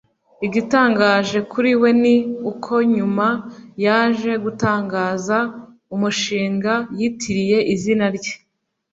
Igitangaje kuri we ni uko nyuma yaje gutangiza umushinga yitiriye izina rye